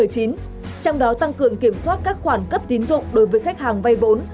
trong đó tăng cường kiểm soát các khoản cấp tiến dụng đối với khách hàng vây vốn